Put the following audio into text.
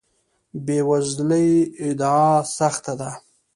بې وزلۍ ادعا سخت ده.